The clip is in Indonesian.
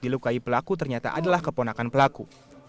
laku ternyata adalah keponakan pelaku